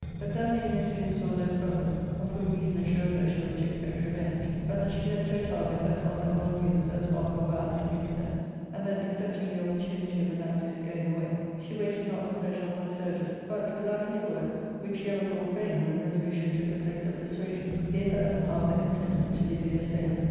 But Zelmane no sooner saw those brothers, of whom reason assured her she was to expect revenge, but that she leaped to a target as one that well knew the first mark of valour to be defence ; and then accepting the opportunity of Anaxius' going away, she waited not the pleasure of Lycurgus, but, without any words, which she ever thought vain when resolution took the place of persuasion, gave her own heart the contentment to be the assailer.